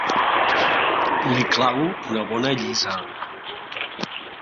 Li clavo una bona allisada.